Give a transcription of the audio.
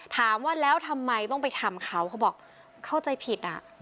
ถามว่าแล้วทำไมต้องไปทำเขาเขาบอกเข้าใจผิดอ่ะ